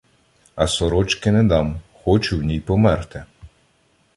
А сорочки не дам — хочу в ній померти.